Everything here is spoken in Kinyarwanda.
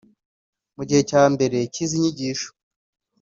Mu gice cya mbere cy’izi nyigisho